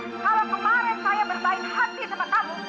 kalau kemarin saya berbaik hati sama kamu